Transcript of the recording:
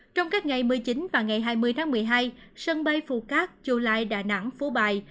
trong các ngày một mươi chín và ngày hai mươi tháng một mươi hai sân bay phù cát chù lai đà nẵng phú bài